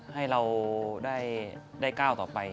ให้เราได้ก้าวต่อไป